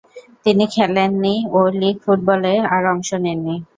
তিনি খেলেননি ও লিগ ফুটবলে আর অংশ নেননি।